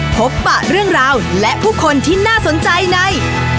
ปะเรื่องราวและผู้คนที่น่าสนใจใน